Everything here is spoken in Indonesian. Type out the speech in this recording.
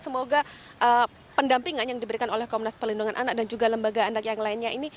semoga pendampingan yang diberikan oleh komnas pelindungan anak dan juga lembaga anak yang lainnya ini